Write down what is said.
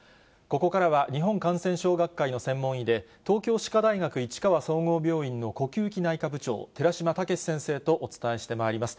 ここからは日本感染症学会の専門医で、東京歯科大学市川総合病院の呼吸器内科部長、寺嶋毅先生とお伝えしてまいります。